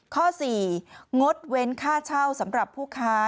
ข้อ๔งดเว้นค่าเช่าสำหรับผู้ค้า